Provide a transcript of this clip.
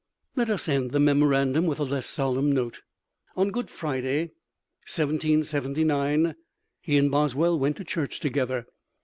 Let us end the memorandum with a less solemn note. On Good Friday, 1779, he and Boswell went to church together.